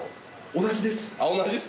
同じです。